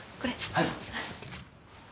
はい。